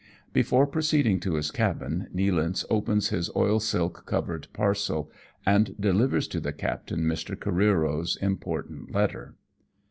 Before proceeding to his cabin, Nealance opens his oil silk covered parcel, and delivers to the captain Mr. Careero's important letter.